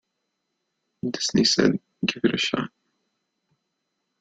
Disney said, 'Give it a shot.